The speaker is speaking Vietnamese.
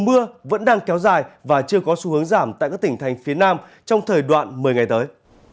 mưa vẫn đang kéo dài và chưa có xu hướng giảm tại các tỉnh thành phía nam trong thời đoạn một mươi ngày tới